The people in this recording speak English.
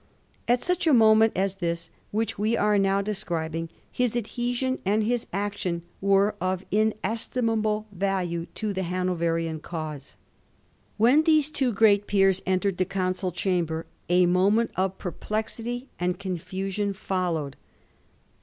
At such a moment as this which we are now describing, his adhesion and his action were of inestimable value to the Hanoverian cause. When these two great peers entered the Council chamber a moment of perplexity and confusion fol lowed.